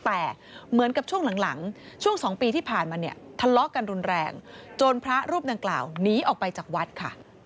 แต่เหมือนกับช่วงหลังช่วง๒ปีที่ผ่านมาเนี่ยทะเลาะกันรุนแรงจนพระรูปดังกล่าวหนีออกไปจากวัดค่ะ